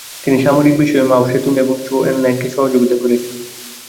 তিনি সামরিক বিষয়ে মাও সেতুং এবং চৌ এন-লাইকে সহযোগিতা করেছিলেন।